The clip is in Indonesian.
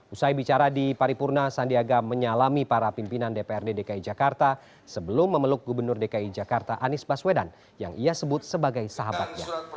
usai bicara di paripurna sandiaga menyalami para pimpinan dprd dki jakarta sebelum memeluk gubernur dki jakarta anies baswedan yang ia sebut sebagai sahabatnya